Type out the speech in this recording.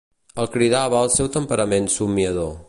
El cridava el seu temperament somniador.